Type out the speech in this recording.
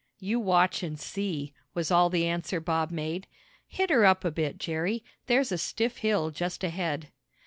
"You watch and see," was all the answer Bob made. "Hit her up a bit, Jerry. There's a stiff hill just ahead."